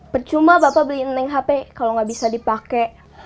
percuma bapak beliin hp kalau ga bisa dipake